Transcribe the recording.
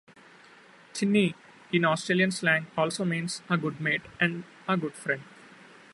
"Tinnie" in Australian slang also means a good mate and a good friend.